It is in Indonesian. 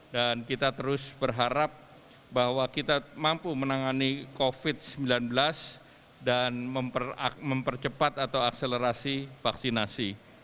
dan kita terus berharap bahwa kita mampu menangani covid sembilan belas dan mempercepat atau akselerasi vaksinasi